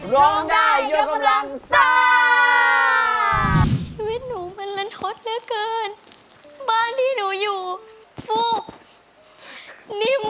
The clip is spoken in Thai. ร้องได้ยกกำลังซ่า